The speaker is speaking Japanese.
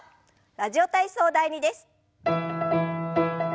「ラジオ体操第２」です。